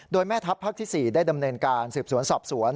โดยแม่ทัพภาคที่๔ได้ดำเนินการสืบสวนสอบสวน